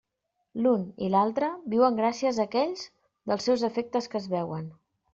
L'un i l'altre viuen gràcies a aquells dels seus efectes que es veuen.